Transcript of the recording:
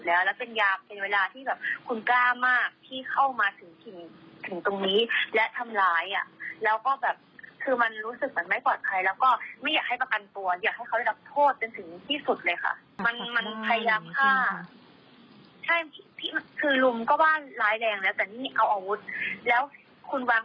แล้วคุณวางแผนมาด้วยหรือเปล่าเราก็ไม่รู้ถูกไหมคะ